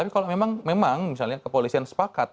karena memang misalnya kepolisian sepakat